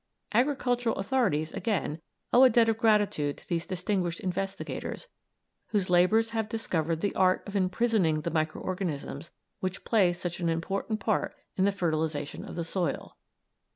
Agricultural authorities, again, owe a debt of gratitude to those distinguished investigators whose labours have discovered the art of imprisoning the micro organisms which play such an important part in the fertilisation of the soil.